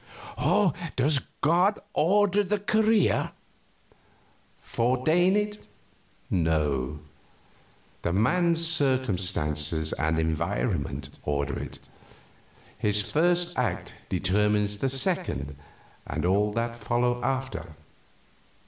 "Does God order the career?" "Foreordain it? No. The man's circumstances and environment order it. His first act determines the second and all that follow after.